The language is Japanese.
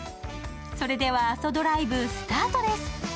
それでは阿蘇ドライブ、スタートです。